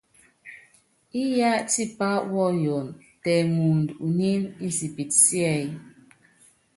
Iyá tipá wɔyɔn tɛ mɔɔnd unín insipit síɛ́y.